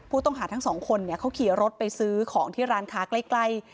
ผู้ต้องหาทั้งสองคนเนี่ยเขาขี่รถไปซื้อของที่ร้านค้าใกล้